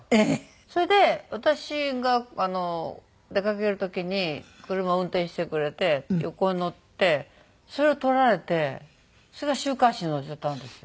それで私が出かける時に車を運転してくれて横に乗ってそれを撮られてそれが週刊誌に載っちゃったんですよ。